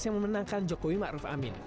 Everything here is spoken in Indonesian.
yang memenangkan jokowi maruf amin